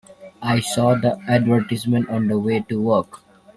I saw the advertisement on the way to work.